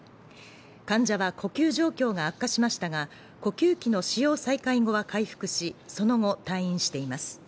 患者は呼吸状況が悪化しましたが、呼吸器の使用再開後は回復し、その後退院しています。